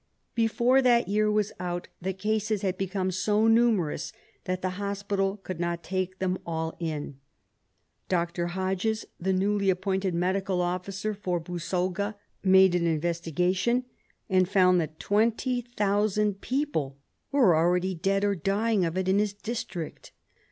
Before that year was out the cases had become so numerous that the hospital could not take them all in. Dr. Hodges, the newly appointed Medical Officer for Busoga, made an investigation and found that 20,000 people were already dead or dying of it in his district.